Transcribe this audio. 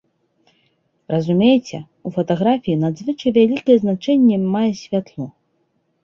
Разумееце, у фатаграфіі надзвычай вялікае значэнне мае святло.